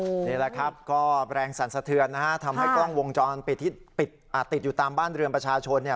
นี่แหละครับก็แรงสั่นสะเทือนนะฮะทำให้กล้องวงจรปิดที่ติดอยู่ตามบ้านเรือนประชาชนเนี่ย